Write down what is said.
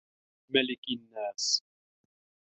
مَلِكِ النّاسِ